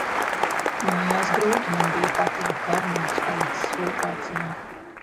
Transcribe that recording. Mājās grūti man bija pateikt, ka Arnolds palicis filtrācijā.